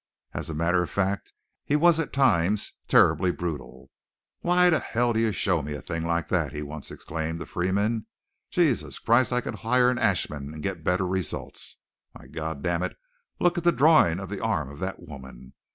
As a matter of fact, he was at times terribly brutal. "Why the hell do you show me a thing like that?" he once exclaimed to Freeman. "Jesus Christ; I could hire an ashman and get better results. Why, God damn it, look at the drawing of the arm of that woman.